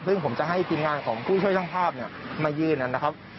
ซึ่งผมจะให้ทีมงานของผู้ช่วยช่างภาพเนี่ยมายืนนะครับ